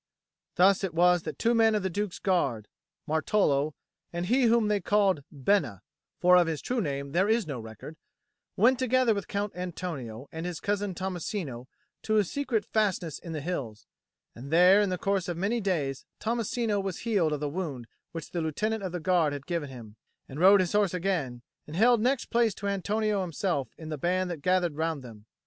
Thus it was that two men of the Duke's Guard Martolo and he whom they called Bena (for of his true name there is no record) went together with Count Antonio and his cousin Tommasino to a secret fastness in the hills; and there in the course of many days Tommasino was healed of the wound which the Lieutenant of the Guard had given him, and rode his horse again, and held next place to Antonio himself in the band that gathered round them.